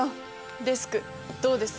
デスクどうです？